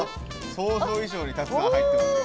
想像以上にたくさん入ってますよ！